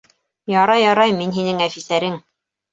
— Ярар, ярар, мин һинең әфисәрең.